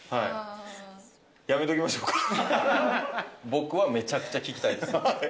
僕はめちゃくちゃ聞きたいです。